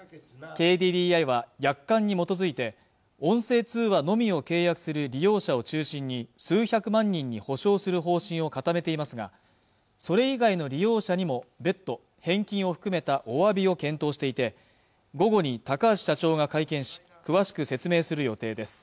ＫＤＤＩは約款に基づいて音声通話のみを契約する利用者を中心に数百万人に補償する方針を固めていますがそれ以外の利用者にも別途返金を含めたお詫びを検討していて午後に高橋社長が会見し詳しく説明する予定です